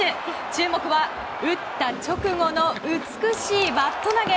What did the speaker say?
注目は打った直後の美しいバット投げ。